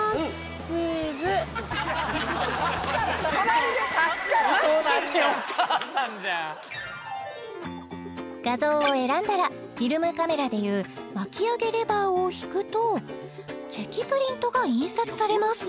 チーズ画像を選んだらフィルムカメラでいう巻き上げレバーを引くとチェキプリントが印刷されます